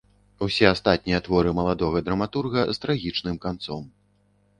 Усе астатнія творы маладога драматурга з трагічным канцом.